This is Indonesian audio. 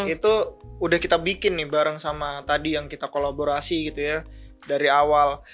itu udah kita bikin nih bareng sama tadi yang kita kolaborasi gitu ya dari awal